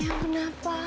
terus jangan cintanya